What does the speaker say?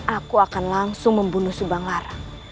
aku akan langsung membunuh subanglarang